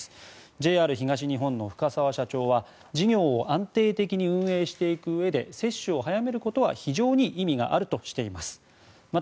ＪＲ東日本の深澤社長は事業を安定的に運営していくうえで接種を早めることは非常に意味があるとしています。